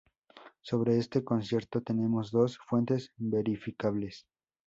Sobre este concierto tenemos dos fuentes verificables.